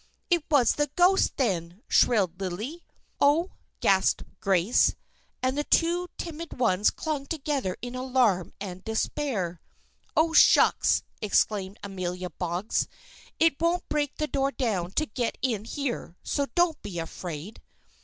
"It was the ghost, then!" shrilled Lillie. "Oh!" gasped Grace, and the two timid ones clung together in alarm and despair. "Oh, shucks!" exclaimed Amelia Boggs. "It won't break the door down to get in here, so don't be afraid."